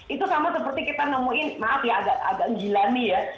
itu sama seperti kita nemuin maaf ya agak ngilani ya